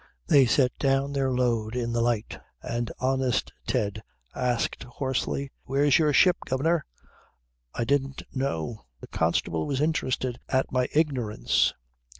They set down their load in the light and honest Ted asked hoarsely: "Where's your ship, guv'nor?" "I didn't know. The constable was interested at my ignorance.